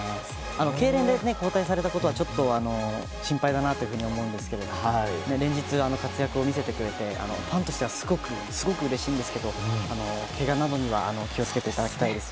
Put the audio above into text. けいれんで交代されたことはちょっと心配だなと思うんですが連日、活躍を見せてくれてファンとしてはすごくうれしいんですがけがなどには気を付けていただきたいです。